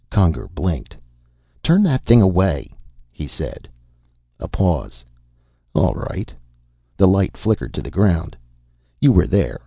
Conger blinked. "Turn that thing away," he said. A pause. "All right." The light flickered to the ground. "You were there.